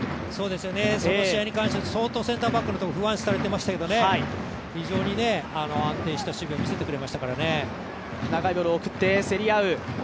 その試合に関しては相当、センターバックのところは不安視されていましたけど非常に安定した守備を見せてくれましたからね。